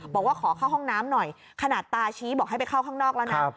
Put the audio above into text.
บอกว่าขอเข้าห้องน้ำหน่อยขนาดตาชี้บอกให้ไปเข้าข้างนอกแล้วนะ